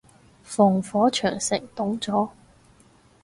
防火長城擋咗